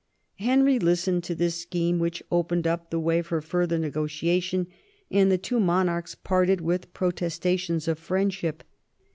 Henry listened to this scheme, which opened up the way for further negotiation, and the two monarchs parted with protestations of friendship.